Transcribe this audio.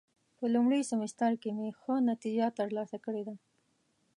په لومړي سمستر کې مې ښه نتیجه ترلاسه کړې ده.